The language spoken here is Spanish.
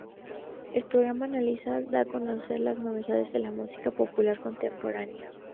El programa analiza y da a conocer las novedades de la música popular contemporánea.